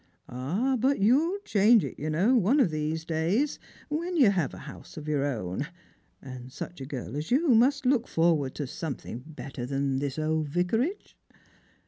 "Ah, but you'll change it, you know, one of these days whe you have a house of your own; and such a girl as you must look forward to something better than this old Vicarage."